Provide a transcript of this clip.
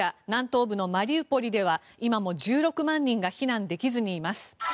南東部のマリウポリでは今も１６万人が避難できずにいます。